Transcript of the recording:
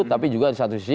tapi juga di satu sisi